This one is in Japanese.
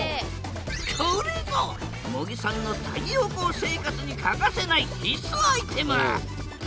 これぞ茂木さんの太陽光生活に欠かせない必須アイテム。